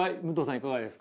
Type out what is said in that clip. いかがですか？